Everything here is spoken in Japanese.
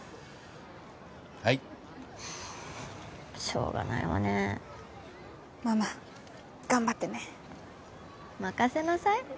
はいしょうがないわねママ頑張ってね任せなさい